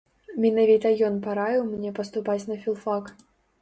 Менавіта ён параіў мне паступаць на філфак.